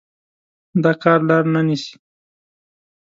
دا کار لار نه نيسي.